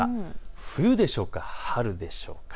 冬でしょうか、春でしょうか。